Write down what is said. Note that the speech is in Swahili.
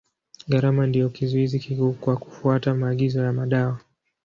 Gharama ndio kizuizi kikuu kwa kufuata maagizo ya madawa.